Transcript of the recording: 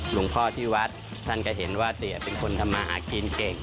หลวงพ่อที่วัดท่านก็เห็นว่าเตี๋ยเป็นคนทำมาหากินเก่ง